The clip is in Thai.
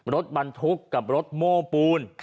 รถบรรทุกกับรถโม้ปูน